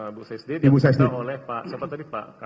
ibu sestit yang diperlukan oleh pak siapa tadi pak